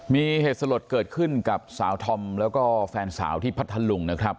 มีเหตุสลดเกิดขึ้นกับสาวธอมแล้วก็แฟนสาวที่พัทธลุงนะครับ